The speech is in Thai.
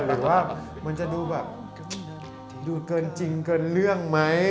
หรือว่ามันจะดูแบบดูเกินจริงเกินเรื่องไหม